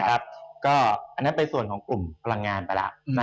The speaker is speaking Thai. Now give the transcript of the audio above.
อันนั้นเป็นส่วนของกลุ่มพลังงานไปแล้ว